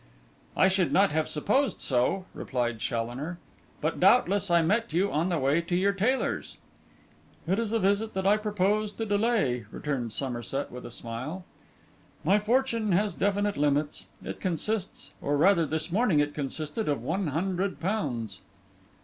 'I should not have supposed so,' replied Challoner. 'But doubtless I met you on the way to your tailors.' 'It is a visit that I purpose to delay,' returned Somerset, with a smile. 'My fortune has definite limits. It consists, or rather this morning it consisted, of one hundred pounds.